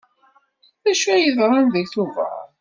D acu ay yeḍran deg Tubeṛ?